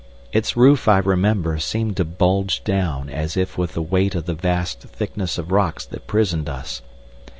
Its roof, I remember, seemed to bulge down as if with the weight of the vast thickness of rocks that prisoned us.